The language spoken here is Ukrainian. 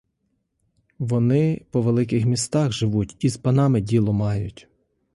Вони по великих містах живуть і з панами діло мають.